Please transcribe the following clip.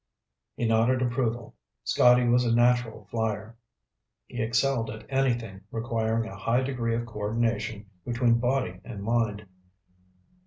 He nodded approval. Scotty was a natural flier. He excelled at anything requiring a high degree of co ordination between body and mind.